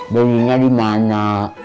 belinya di mana